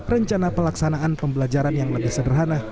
rencana pelaksanaan pembelajaran yang lebih sederhana